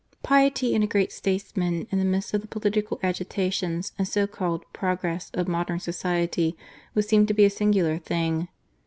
Piety in a great statesman, in the midst of the political agitations and so called " progress " of modern society, would seem to be a singular thing.